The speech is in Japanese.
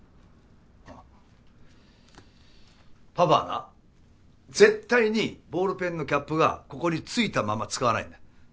パパはな絶対にボールペンのキャップがここについたまま使わないんだ。